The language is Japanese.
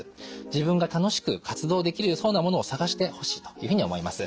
自分が楽しく活動できそうなものを探してほしいというふうに思います。